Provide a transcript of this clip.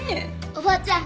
おばあちゃん